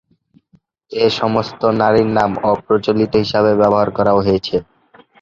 এসমস্ত নারীর নাম অপ্রচলিত হিসাবে ব্যবহার করা হয়েছে।